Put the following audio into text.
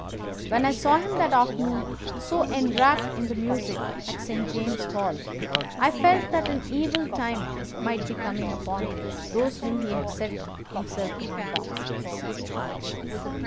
When I saw him that afternoon so enwrapped in the music at St. James's Hall I felt that an evil time might be coming upon those whom he had set himself to hunt down.